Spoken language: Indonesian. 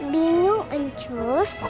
binyu dan cus